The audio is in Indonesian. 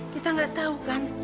kita nggak tahu kan